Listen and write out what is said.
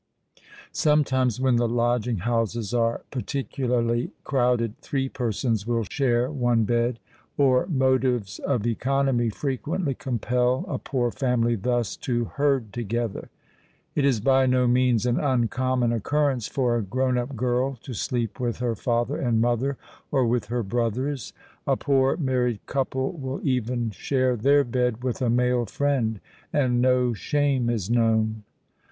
Sometimes, when the lodging houses are particularly crowded, three persons will share one bed;—or motives of economy frequently compel a poor family thus to herd together. It is by no means an uncommon occurrence for a grown up girl to sleep with her father and mother, or with her brothers:—a poor married couple will even share their bed with a male friend;—and no shame is known!